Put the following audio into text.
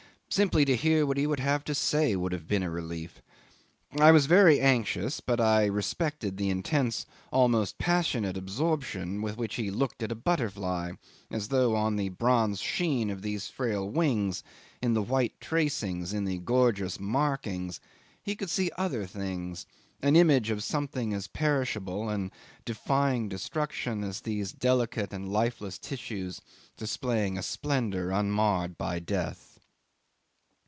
Simply to hear what he would have to say would have been a relief. I was very anxious, but I respected the intense, almost passionate, absorption with which he looked at a butterfly, as though on the bronze sheen of these frail wings, in the white tracings, in the gorgeous markings, he could see other things, an image of something as perishable and defying destruction as these delicate and lifeless tissues displaying a splendour unmarred by death.